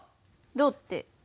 「どう」って。